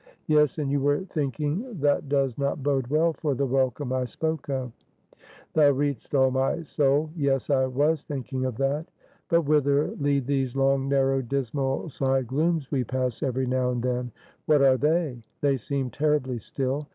"Yes, and you were thinking that does not bode well for the welcome I spoke of." "Thou read'st all my soul; yes, I was thinking of that. But whither lead these long, narrow, dismal side glooms we pass every now and then? What are they? They seem terribly still.